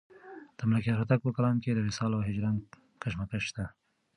د ملکیار هوتک په کلام کې د وصال او هجران کشمکش شته.